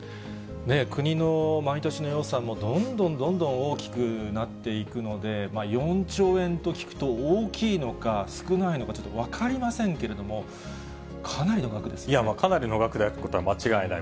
国の毎年の予算もどんどんどんどん大きくなっていくので、４兆円と聞くと、大きいのか少ないのか、ちょっと分かりませんけれども、いやまあ、かなりの額であることは間違いない。